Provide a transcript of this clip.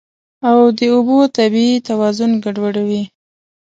او د اوبو طبیعي توازن ګډوډوي.